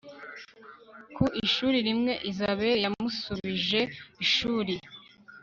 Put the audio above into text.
ku ishuri rimwe isabel yamusibije ishuri